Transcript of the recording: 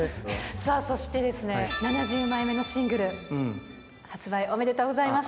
さあ、そしてですね、７０枚目のシングル、発売、おめでとうございます。